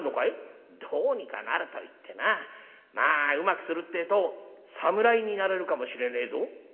「どうにかなるといってなまあうまくするってえと侍になれるかもしれねえぞ」。